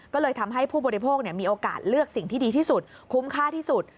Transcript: ก็เลยทำให้ผู้บริโภคมีโอกาสเลือกสิ่งที่ดีที่สุดคุ้มค่าที่สุด